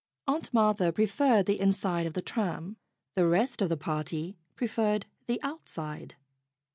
Aunt Martha preferred the inside of the tram. The rest of the party preferred the outside.